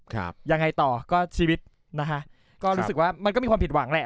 ครับยังไงต่อก็ชีวิตนะคะก็รู้สึกว่ามันก็มีความผิดหวังแหละ